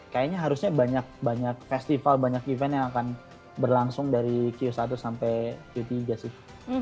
kayaknya harusnya banyak banyak festival banyak event yang akan berlangsung dari q satu sampai q tiga sih